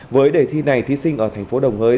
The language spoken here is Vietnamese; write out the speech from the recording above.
với đề thi này thí sinh ở thành phố đồng hới